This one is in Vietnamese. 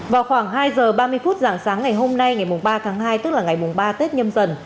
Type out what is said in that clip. vào khoảng hai giờ ba mươi phút dạng sáng ngày hôm nay ngày ba tháng hai tức là ngày ba tết nhâm dần